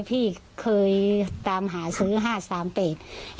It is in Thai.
พี่เคยตามหาซื้อ๕๓๘